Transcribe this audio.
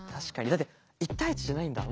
だって１対１じゃないんだ。